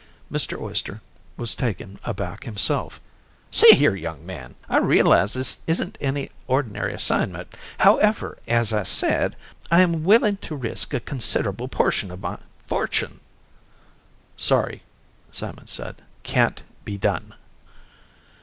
Mr. Oyster was taken aback himself. "See here, young man, I realize this isn't an ordinary assignment, however, as I said, I am willing to risk a considerable portion of my fortune " "Sorry," Simon said. "Can't be done."